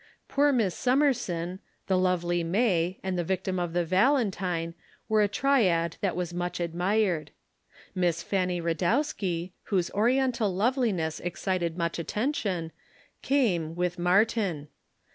Poor Miss Summerson, the lovely May, and the victim of the Valentine were a triad that was much admired. Miss Fanny Radowski, whose Oriental loveliness excited much attention, came, with Martin.